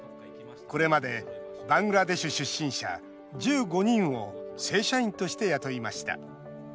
これまでバングラデシュ出身者１５人を正社員として雇いました。